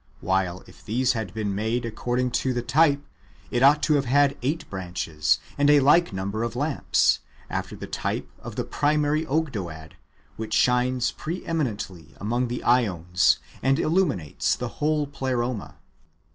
while, if these had been made according to the type, it ought to have had eight branches and a like number of lamps, after the type of the primary Ogdoad, which shines pre eminently among the ^ons, and illuminates the whole Pleroma.